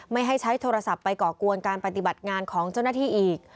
ไม่ให้ใช้โทรศัพท์ไปก่อกวนการปฏิบัติงานของเจ้าหน้าที่อีก